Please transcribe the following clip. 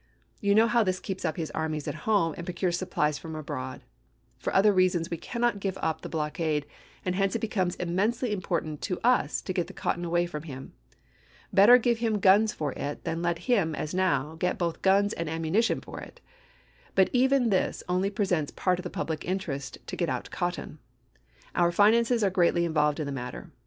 You know how this keeps up his armies at home and procures supplies from abroad. For other reasons we cannot give up the blockade, and hence it becomes immensely important to us to get the cotton away from him. Better give him guns for it than let him, as now, get both guns and am munition for it. But even this only presents part of the public interest to get out cotton. Our finances are greatly involved in the matter.